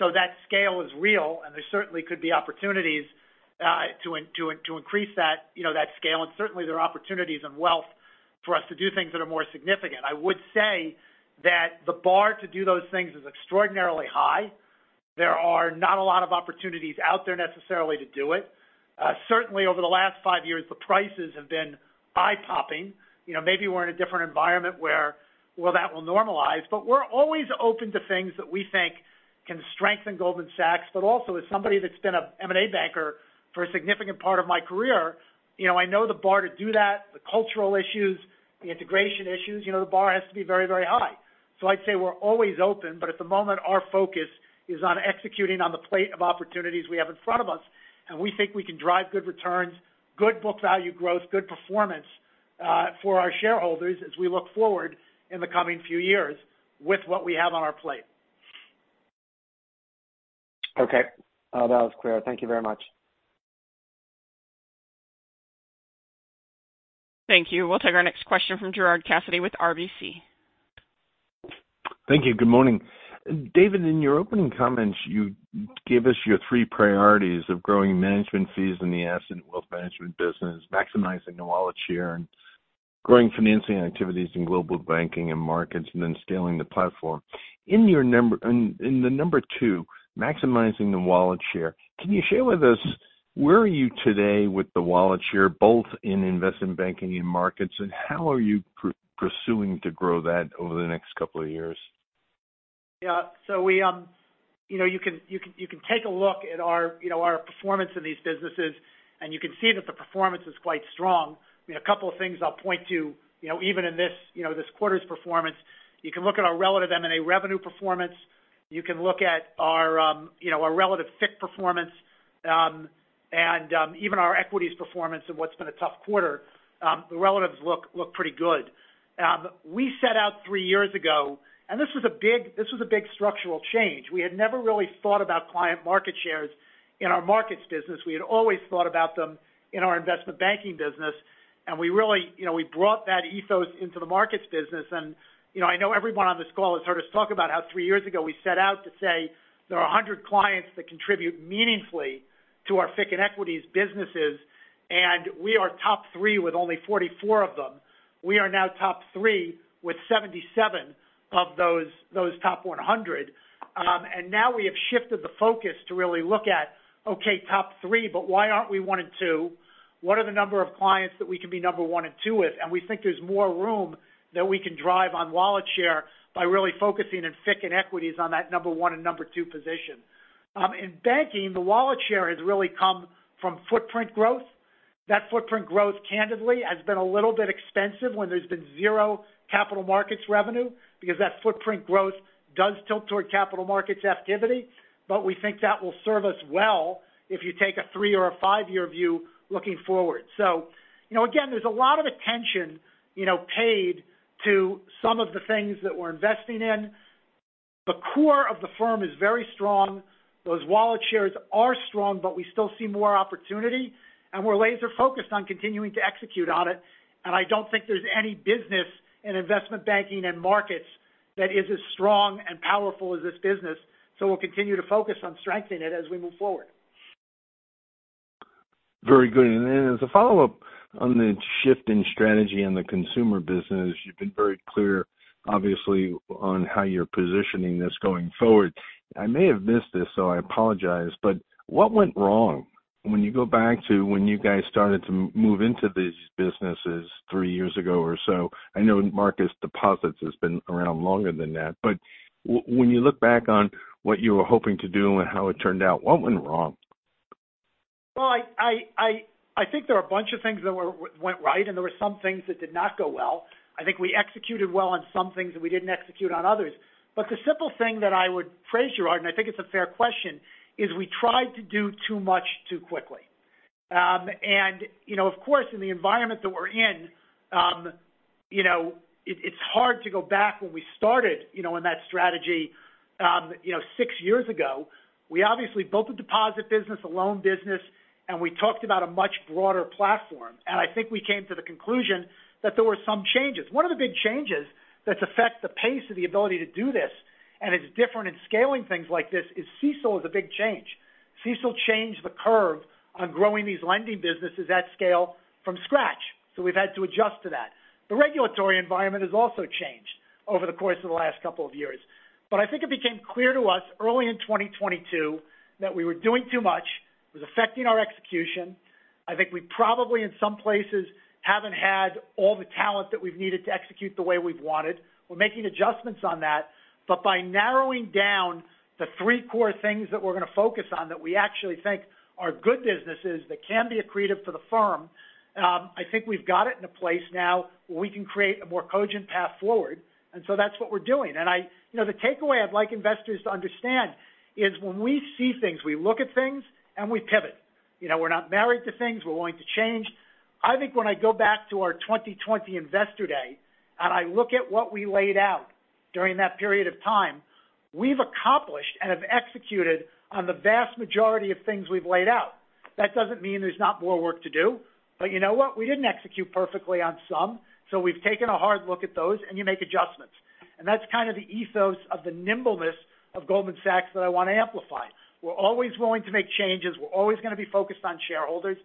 That scale is real, and there certainly could be opportunities to increase that that scale, and certainly there are opportunities in wealth for us to do things that are more significant. I would say that the bar to do those things is extraordinarily high. There are not a lot of opportunities out there necessarily to do it. Certainly over the last five years, the prices have been eye-popping. You know, maybe we're in a different environment where, well, that will normalize. We're always open to things that we think can strengthen Goldman Sachs. Also as somebody that's been a M&A banker for a significant part of my career I know the bar to do that, the cultural issues, the integration issues the bar has to be very, very high. I'd say we're always open, but at the moment our focus is on executing on the plate of opportunities we have in front of us, and we think we can drive good returns, good book value growth, good performance for our shareholders as we look forward in the coming few years with what we have on our plate. Okay. That was clear. Thank you very much. Thank you. We'll take our next question from Gerard Cassidy with RBC. Thank you. Good morning. David, in your opening comments, you gave us your three priorities of growing management fees in the asset and wealth management business, maximizing the wallet share, and growing financing activities in global banking and markets, and then scaling the platform. In the number two, maximizing the wallet share, can you share with us where are you today with the wallet share, both in investment banking and markets, and how are you pursuing to grow that over the next couple of years? We you can take a look at our our performance in these businesses, and you can see that the performance is quite strong. You know, a couple of things I'll point to even in this this quarter's performance, you can look at our relative M&A revenue performance. You can look at our our relative FICC performance, and even our equities performance in what's been a tough quarter. The relatives look pretty good. We set out three years ago, this was a big structural change. We had never really thought about client market shares in our markets business. We had always thought about them in our investment banking business. We really we brought that ethos into the markets business. You know, I know everyone on this call has heard us talk about how 3 years ago we set out to say there are 100 clients that contribute meaningfully to our FICC and equities businesses, and we are top 3 with only 44 of them. We are now top 3 with 77 of those top 100. Now we have shifted the focus to really look at, okay, top 3, but why aren't we 1 and 2? What are the number of clients that we can be number 1 and 2 with? We think there's more room that we can drive on wallet share by really focusing in FICC and equities on that number 1 and number 2 position. In banking, the wallet share has really come from footprint growth. That footprint growth candidly has been a little bit expensive when there's been 0 capital markets revenue because that footprint growth does tilt toward capital markets activity. We think that will serve us well if you take a 3 or a 5-year view looking forward. You know, again, there's a lot of attention paid to some of the things that we're investing in. The core of the firm is very strong. Those wallet shares are strong, but we still see more opportunity, and we're laser-focused on continuing to execute on it. I don't think there's any business in investment banking and markets that is as strong and powerful as this business. We'll continue to focus on strengthening it as we move forward. Very good. As a follow-up on the shift in strategy in the consumer business, you've been very clear, obviously, on how you're positioning this going forward. I may have missed this, so I apologize, but what went wrong? When you go back to when you guys started to move into these businesses three years ago or so, I know Marcus Deposits has been around longer than that, but when you look back on what you were hoping to do and how it turned out, what went wrong? Well, I think there are a bunch of things that went right, and there were some things that did not go well. I think we executed well on some things and we didn't execute on others. The simple thing that I would phrase, Gerard, and I think it's a fair question, is we tried to do too much too quickly. You know, of course, in the environment that we're in it's hard to go back when we started in that strategy six years ago. We obviously built a deposit business, a loan business, and we talked about a much broader platform. I think we came to the conclusion that there were some changes. One of the big changes that affect the pace of the ability to do this, and it's different in scaling things like this is CECL is a big change. CECL changed the curve on growing these lending businesses at scale from scratch, so we've had to adjust to that. The regulatory environment has also changed over the course of the last couple of years. I think it became clear to us early in 2022 that we were doing too much, it was affecting our execution. I think we probably, in some places, haven't had all the talent that we've needed to execute the way we've wanted. We're making adjustments on that. By narrowing down the three core things that we're gonna focus on that we actually think are good businesses that can be accretive for the firm, I think we've got it in a place now where we can create a more cogent path forward, and so that's what we're doing. You know, the takeaway I'd like investors to understand is when we see things, we look at things, and we pivot. You know, we're not married to things, we're willing to change. I think when I go back to our 2020 Investor Day, and I look at what we laid out during that period of time, we've accomplished and have executed on the vast majority of things we've laid out. That doesn't mean there's not more work to do. You know what? We didn't execute perfectly on some, so we've taken a hard look at those, and you make adjustments. That's kind of the ethos of the nimbleness of Goldman Sachs that I wanna amplify. We're always willing to make changes. We're always gonna be focused on shareholders.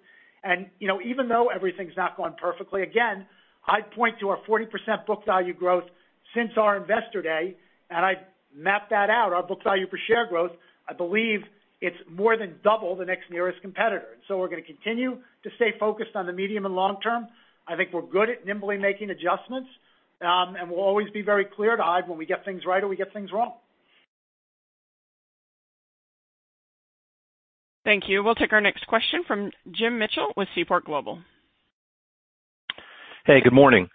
You know, even though everything's not going perfectly, again, I'd point to our 40% book value growth since our Investor Day, and I'd map that out. Our book value per share growth, I believe it's more than double the next nearest competitor. We're gonna continue to stay focused on the medium and long term. I think we're good at nimbly making adjustments. and we'll always be very clear to hide when we get things right or we get things wrong. Thank you. We'll take our next question from Jim Mitchell with Seaport Global. Hey, good morning.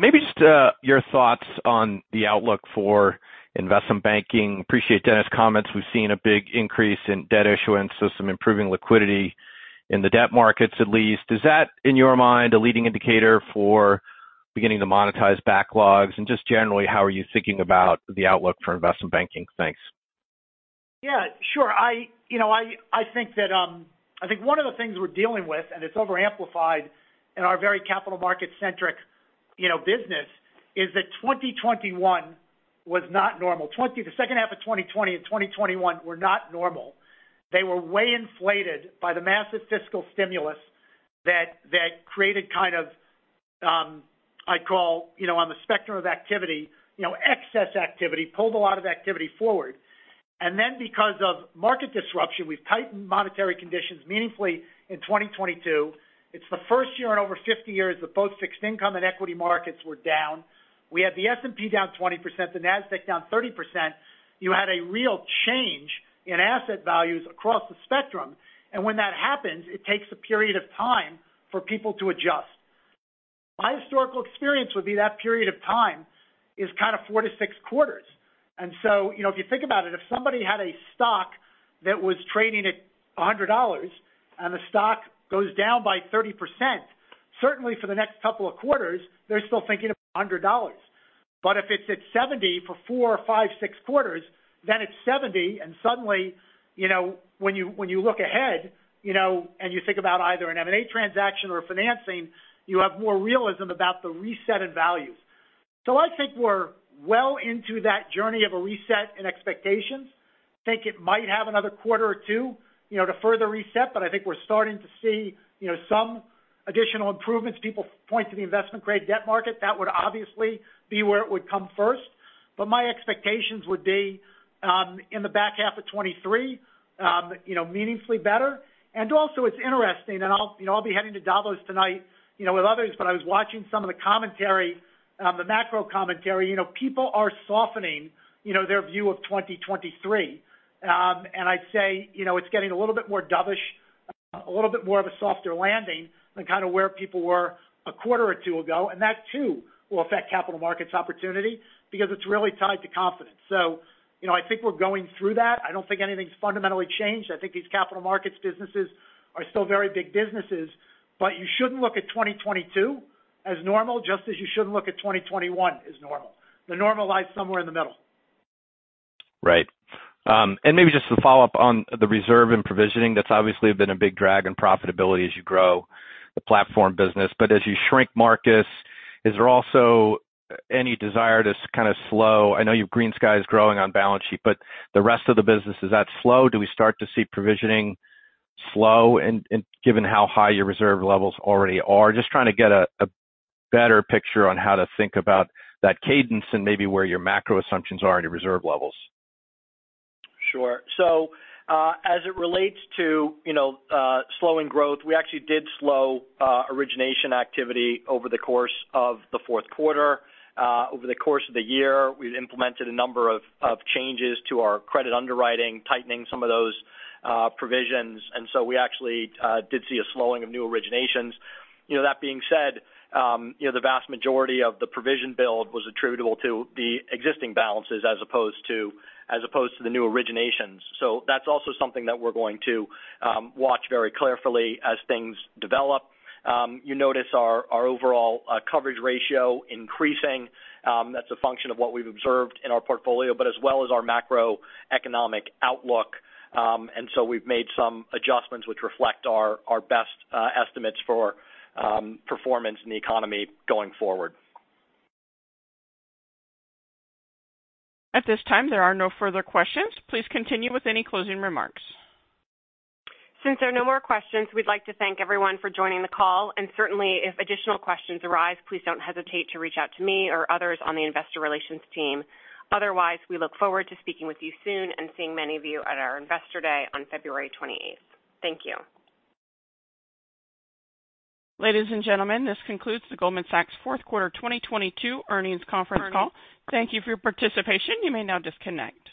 Maybe just your thoughts on the outlook for investment banking. Appreciate Denis' comments. We've seen a big increase in debt issuance, so some improving liquidity in the debt markets, at least. Is that, in your mind, a leading indicator for beginning to monetize backlogs? Just generally, how are you thinking about the outlook for investment banking? Thanks. Yeah, sure. I I think that I think one of the things we're dealing with, and it's overamplified in our very capital market-centric business, is that 2021 was not normal. The second half of 2020 and 2021 were not normal. They were way inflated by the massive fiscal stimulus that created kind of, I'd call on the spectrum of activity excess activity, pulled a lot of activity forward. Because of market disruption, we've tightened monetary conditions meaningfully in 2022. It's the first year in over 50 years that both fixed income and equity markets were down. We had the S&P down 20%, the Nasdaq down 30%. You had a real change in asset values across the spectrum. When that happens, it takes a period of time for people to adjust. My historical experience would be that period of time is kind of 4 to 6 quarters. You know, if you think about it, if somebody had a stock that was trading at $100 and the stock goes down by 30%, certainly for the next couple of quarters, they're still thinking about $100. If it's at 70 for 4, 5, 6 quarters, then it's 70. Suddenly when you look ahead and you think about either an M&A transaction or a financing, you have more realism about the reset in values. I think we're well into that journey of a reset in expectations. I think it might have another quarter or two to further reset, but I think we're starting to see some additional improvements. People point to the investment-grade debt market. That would obviously be where it would come first. My expectations would be, in the back half of 2023 meaningfully better. Also, it's interesting, and I'll I'll be heading to Davos tonight with others. I was watching some of the commentary, the macro commentary. You know, people are softening their view of 2023. And I'd say it's getting a little bit more dovish, a little bit more of a softer landing than kind of where people were a quarter or two ago. That, too, will affect capital markets opportunity because it's really tied to confidence. You know, I think we're going through that. I don't think anything's fundamentally changed. I think these capital markets businesses are still very big businesses. You shouldn't look at 2022 as normal, just as you shouldn't look at 2021 as normal. The normal lies somewhere in the middle. Right. Maybe just to follow up on the reserve and provisioning. That's obviously been a big drag on profitability as you grow the platform business. As you shrink markets, is there also any desire to kind of slow? I know you've GreenSky's growing on balance sheet, but the rest of the business, is that slow? Do we start to see provisioning slow in given how high your reserve levels already are? Just trying to get a better picture on how to think about that cadence and maybe where your macro assumptions are at your reserve levels. Sure. As it relates to slowing growth, we actually did slow origination activity over the course of the fourth quarter. Over the course of the year, we've implemented a number of changes to our credit underwriting, tightening some of those provisions. We actually did see a slowing of new originations. You know, that being said the vast majority of the provision build was attributable to the existing balances as opposed to the new originations. That's also something that we're going to watch very carefully as things develop. You notice our overall coverage ratio increasing. That's a function of what we've observed in our portfolio, but as well as our macroeconomic outlook. We've made some adjustments which reflect our best estimates for performance in the economy going forward. At this time, there are no further questions. Please continue with any closing remarks. Since there are no more questions, we'd like to thank everyone for joining the call. Certainly, if additional questions arise, please don't hesitate to reach out to me or others on the investor relations team. Otherwise, we look forward to speaking with you soon and seeing many of you at our Investor Day on February 28th. Thank you. Ladies and gentlemen, this concludes the Goldman Sachs fourth quarter 2022 earnings conference call. Thank you for your participation. You may now disconnect.